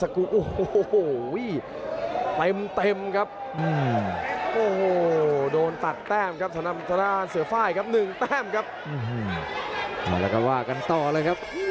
กรรมการได้ตัดสินไปแล้วนะครับ